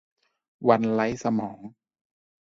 วันไร้สมอง